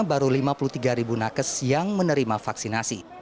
baru lima puluh tiga ribu nakes yang menerima vaksinasi